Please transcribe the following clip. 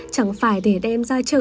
chẳng phải để đem ra chợ